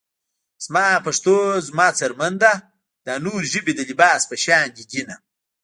زما پښتو زما څرمن ده - دا نورې ژبې د لباس په شاندې دينه